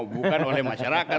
bukan oleh masyarakat